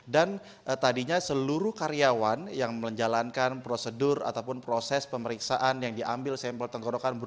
dan tadinya seluruh karyawan yang menjalankan prosedur ataupun proses pemeriksaan yang diambil sampel tenggorokan